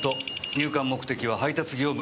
入館目的は配達業務。